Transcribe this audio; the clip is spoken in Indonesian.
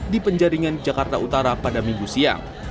di penjaringan jakarta utara pada minggu siang